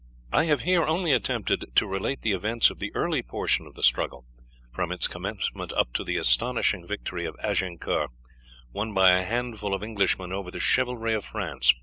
I have here only attempted to relate the events of the early portion of the struggle from its commencement up to the astonishing victory of Agincourt, won by a handful of Englishmen over the chivalry of France.